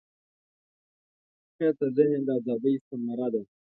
خلاقیت د ذهن د ازادۍ ثمره ده.